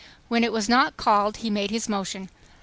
When it was not called he made his motion.